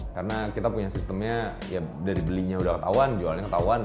karena kita punya sistemnya ya dari belinya udah ketahuan jualnya ketahuan